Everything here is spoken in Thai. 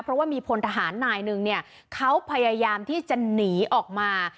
เพราะว่ามีพลทหารนายหนึ่งเนี่ยเขาพยายามที่จะหนีออกมา